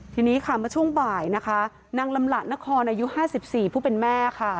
ทีนี้มาช่วงบ่ายนางลำหลัดนครอายุ๕๔ผู้เป็นแม่